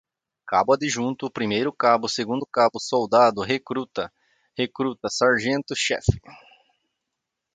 Cabo-Adjunto, Primeiro-Cabo, Segundo-Cabo, Soldado-Recruta, Recruta, Sargento-Chefe